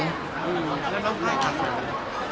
แล้วต้องคุยกันอย่างไรครับ